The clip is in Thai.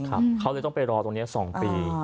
เขาเลยต้องไปรอตรงนี้๒ปี